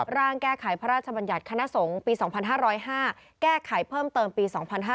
ร่างแก้ไขพระราชบัญญัติคณะสงฆ์ปี๒๕๐๕แก้ไขเพิ่มเติมปี๒๕๕๙